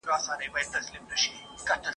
د ټګانو کوډګرانو له دامونو !.